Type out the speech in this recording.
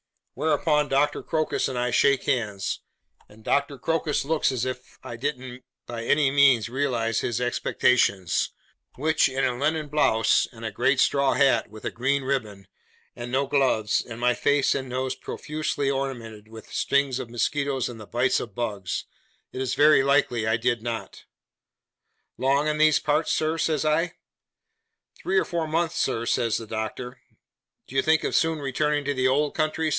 Whereupon Doctor Crocus and I shake hands; and Doctor Crocus looks as if I didn't by any means realise his expectations, which, in a linen blouse, and a great straw hat, with a green ribbon, and no gloves, and my face and nose profusely ornamented with the stings of mosquitoes and the bites of bugs, it is very likely I did not. 'Long in these parts, sir?' says I. 'Three or four months, sir,' says the Doctor. 'Do you think of soon returning to the old country?